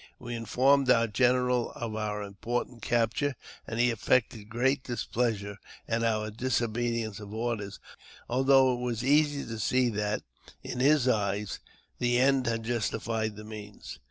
We informed our general of our important cap ture, and he affected great displeasure at our disobedience of orders, although it was easy to see that, in his eyes, the end had justified the means.